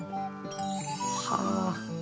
はあ！